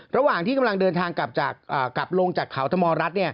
ระหว่างที่กำลังเดินทางกลับลงจากเขาธมรัฐ